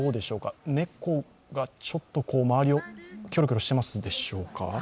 猫がちょっと周りをキョロキョロしていますでしょうか。